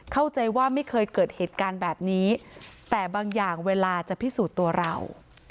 เข้าใจว่าไม่เคยเกิดเหตุการณ์แบบนี้แต่บางอย่างเวลาจะพิสูจน์ตัวเรา